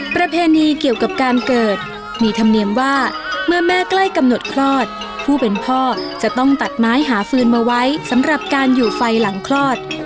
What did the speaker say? ประเพณีเกี่ยวกับการเกิดมีธรรมเนียมว่าเมื่อแม่ใกล้กำหนดคลอดผู้เป็นพ่อจะต้องตัดไม้หาฟืนมาไว้สำหรับการอยู่ไฟหลังคลอด